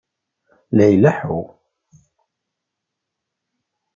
La ileḥḥu.